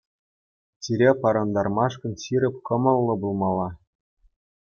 Чире парӑнтармашкӑн ҫирӗп кӑмӑллӑ пулмалла.